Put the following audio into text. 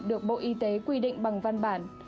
được bộ y tế quy định bằng văn bản